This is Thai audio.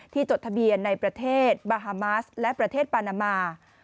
จดทะเบียนในประเทศบาฮามาสและประเทศปานามา